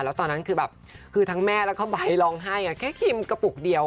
แล้วตอนนั้นคือแบบคือทั้งแม่แล้วก็ไบท์ร้องไห้แค่ครีมกระปุกเดียว